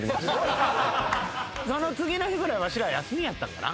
その次の日わしら休みやったんかな。